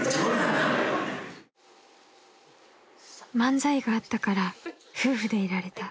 ［漫才があったから夫婦でいられた］